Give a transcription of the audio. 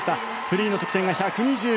フリーの得点が１２９．１９。